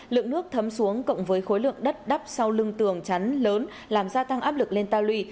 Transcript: lượng nước thấm xuống cộng với khối lượng đất đắp sau lưng tường chắn lớn làm gia tăng áp lực lên ta lùi